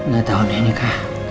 gak tau nih anika